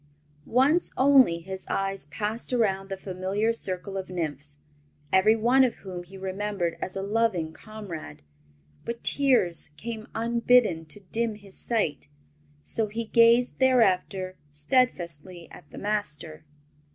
Once only his eyes passed around the familiar circle of nymphs, every one of whom he remembered as a loving comrade; but tears came unbidden to dim his sight, so he gazed thereafter steadfastly at the Master.